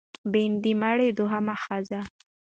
بن د مېړه دوهمه ښځه